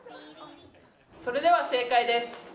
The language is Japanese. それでは正解です。